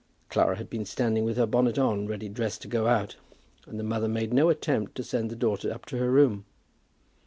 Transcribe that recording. Clara had been standing with her bonnet on, ready dressed to go out, and the mother made no attempt to send the daughter up to her room.